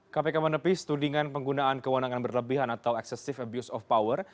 kpk menepis tudingan penggunaan kewenangan berlebihan atau excessive abuse of power